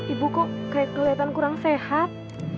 ibu kok kelihatan kurang sehat